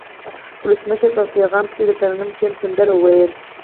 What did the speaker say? ولسمشر په پیغام پسې د ترانې ټیم سندره وویله.